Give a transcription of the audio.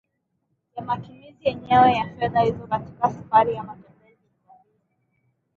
ya matumizi yenyewe ya fedha hizo katika safari ya matembezi hifadhini